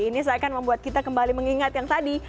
ini saya akan membuat kita kembali mengingat yang tadi